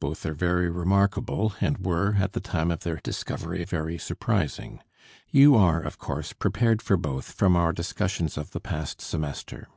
Both are very remarkable and were at the time of their discovery, very surprising. You are, of course, prepared for both from our discussions of the past semester.